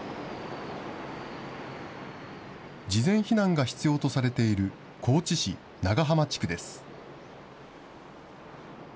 事前避難が必要とされている高知市長浜地区です。